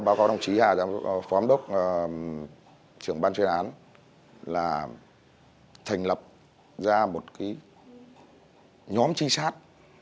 báo cáo đồng chí hà giang đốc trưởng ban chuyên án là thành lập ra một nhóm trinh sát